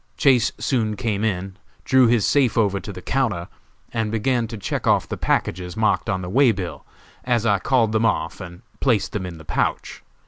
Chase soon came in, drew his safe over to the counter, and began to check off the packages marked on the way bill, as I called them off and placed them in the pouch.